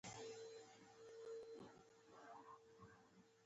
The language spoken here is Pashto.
زه به د ورور په شان چلند درسره وکم.